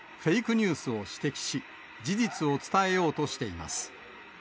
ニュースを指摘し、事実を伝えようとしています。